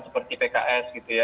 seperti pks gitu ya